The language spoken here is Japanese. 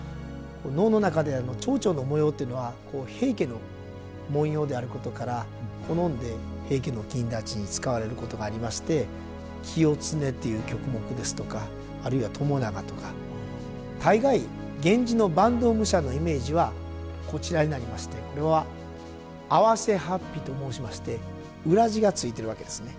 能の中では蝶々の模様というのは平家の文様であることから好んで平家の公達に使われることがありまして「清経」という曲目ですとかあるいは「朝長」とか大概源氏の坂東武者のイメージはこちらになりましてこれは袷法被と申しまして裏地が付いてるわけですね。